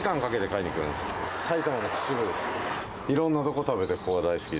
いろんなとこ食べて、ここが大好